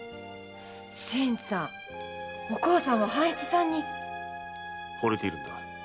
新さんお幸さんは半七さんに⁉ほれている。